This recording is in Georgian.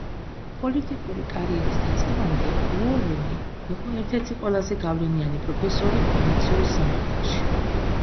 პოლიტიკური კარიერის დაწყებამდე უორენი იყო ერთ-ერთი ყველაზე გავლენიანი პროფესორი კომერციულ სამართალში.